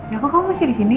gak kok kamu masih di sini